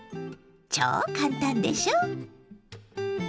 超簡単でしょ！